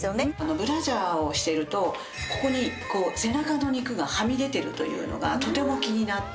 ブラジャーをしているとここに背中の肉がはみ出てるというのがとても気になって。